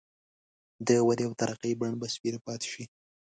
د ودې او ترقۍ بڼ به سپېره پاتي شي.